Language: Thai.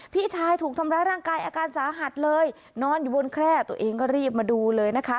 พี่ชายถูกทำร้ายร่างกายอาการสาหัสเลยนอนอยู่บนแคร่ตัวเองก็รีบมาดูเลยนะคะ